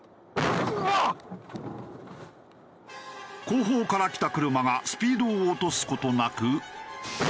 後方から来た車がスピードを落とす事なく。